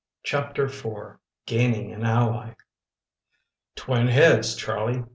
Chapter IV GAINING AN ALLY "Twin heads, Charlie!"